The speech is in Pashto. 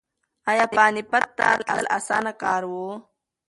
ایا پاني پت ته تلل اسانه کار و؟